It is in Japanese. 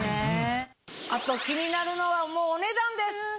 あと気になるのはお値段です！